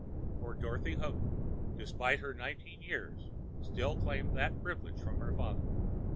For Dorothy Houghton, despite her nineteen years, still claimed that privilege from her father.